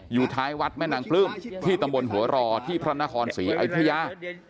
อยู่ท้ายวัดแม่นางปลื้มที่ตำบลหัวรอที่พระนครศรีอยุธยา